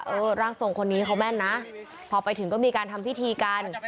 ร่างทรงคนนี้เขาแม่นนะพอไปถึงก็มีการทำพิธีกัน